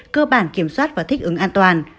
cơ bản kiểm soát và thích ứng an toàn